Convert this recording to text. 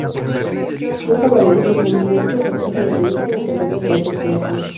Nunca variaron sus temas líricos acerca de alienígenas y teorías de la conspiración.